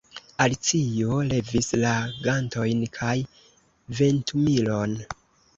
Alicio levis la gantojn kaj ventumilon.